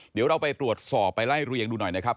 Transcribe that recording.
เดี๋ยวเราไปตรวจสอบไปไล่เรียงดูหน่อยนะครับ